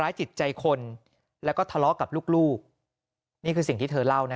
จิตใจคนแล้วก็ทะเลาะกับลูกนี่คือสิ่งที่เธอเล่านะ